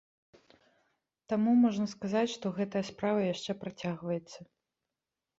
Таму можна сказаць, што гэтая справа яшчэ працягваецца.